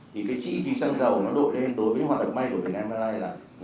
thì cái trị phí xăng dầu nó đội lên đối với hoạt động máy của việt nam là năm bảy trăm linh tỷ